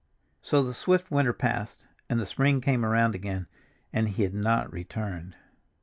So the swift winter passed and the spring came around again, and he had not returned.